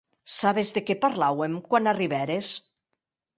Sabes de qué parlàuem quan arribères?